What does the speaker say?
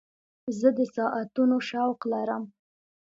زه د ساعتونو شوق لرم.